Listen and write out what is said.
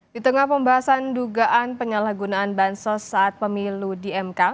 di tengah pembahasan dugaan penyalahgunaan bansos saat pemilu di mk